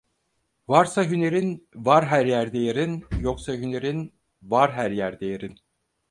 Varsa hünerin, var her yerde yerin; yoksa hünerin, var her yerde yerin.